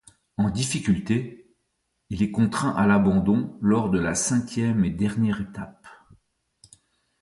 En difficulté, il est contraint à l'abandon lors de la cinquième et dernière étape.